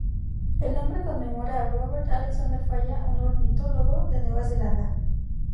El nombre conmemora a Robert Alexander Falla, un ornitólogo de Nueva Zelanda.